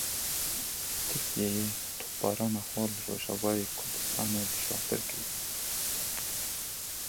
Tirkiyeyê topbarana xwe li Rojavayê Kurdistanê dijwartir kiriye.